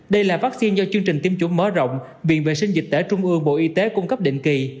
đây là vaccine do chương trình tiêm chủng mở rộng viện vệ sinh dịch tễ trung ương bộ y tế cung cấp định kỳ